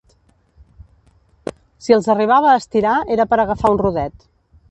Si els arribava a estirar, era per agafar un rodet